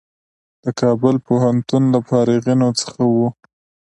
د کابل پوهنتون له فارغینو څخه و.